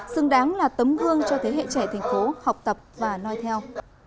xứng đáng là tấm gương cho thế hệ trẻ thành phố học tập và nói theo